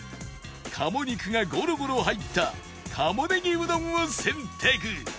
鴨肉がゴロゴロ入った鴨ねぎうどんを選択